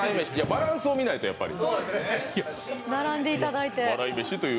バランスを見ないとやっぱり。